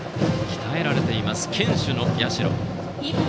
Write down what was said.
鍛えられています、堅守の社。